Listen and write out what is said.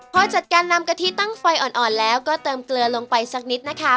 พอจัดการนำกะทิตั้งไฟอ่อนแล้วก็เติมเกลือลงไปสักนิดนะคะ